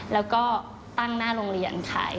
แล้วก็ตั้งหน้าโรงเรียนขาย